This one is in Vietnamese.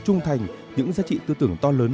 trung thành những giá trị tư tưởng to lớn